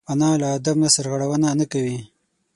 انا له ادب نه سرغړونه نه کوي